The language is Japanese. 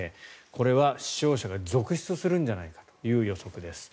これは死傷者が続出するんじゃないかという予測です。